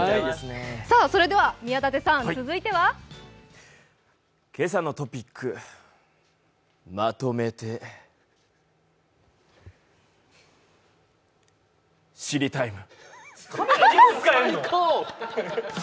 それでは宮舘さん、続いては「けさのトピックまとめて知りＴＩＭＥ，」。